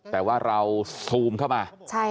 แต่ว่าเราซูมเข้ามา